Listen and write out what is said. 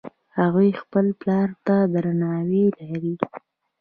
هغوی خپل پلار ته درناوی لري